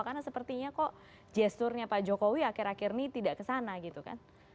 karena sepertinya kok gesturnya pak jokowi akhir akhir ini tidak kesana gitu kan